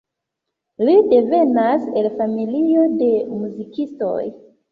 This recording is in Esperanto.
Li devenas el familio de muzikistoj.